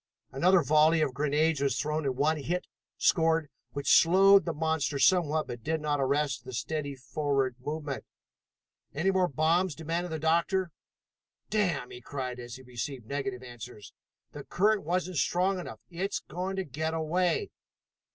Another volley of grenades was thrown and one hit scored, which slowed the monster somewhat but did not arrest the steady forward movement. "Any more bombs?" demanded the doctor. "Damn!" he cried as he received negative answers. "The current wasn't strong enough. It's going to get away."